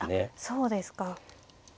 そうですか。